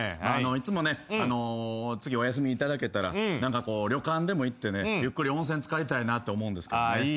いつもね次お休み頂けたら旅館でも行ってゆっくり温泉漬かりたいなって思うんですけどね。